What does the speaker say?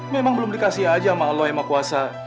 memang belum dikasih aja sama lo yang mau kuasa